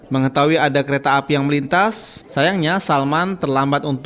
mengetahui ada kereta api yang melintas sayangnya salman terlambat